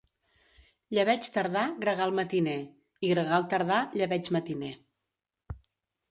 Llebeig tardà, gregal matiner; i gregal tardà, llebeig matiner.